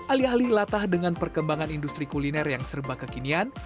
alih alih latah dengan perkembangan industri kuliner yang serba kekinian